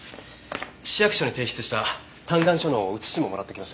市役所に提出した嘆願書の写しももらってきました。